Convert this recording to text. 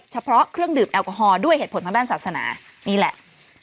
เฉพาะเครื่องดื่มแอลกอฮอลด้วยเหตุผลทางด้านศาสนานี่แหละ